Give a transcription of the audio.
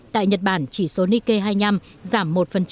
tại nhật bản chỉ số nikkei hai mươi năm giảm một